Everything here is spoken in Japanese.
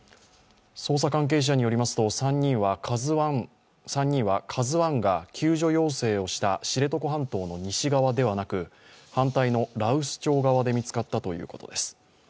捜査関係者によりますと、３人は「ＫＡＺＵⅠ」が救助要請をした知床半島の西側ではなく反対の羅臼町側で見つかったということです。